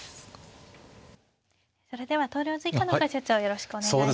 それでは投了図以下の解説をよろしくお願いします。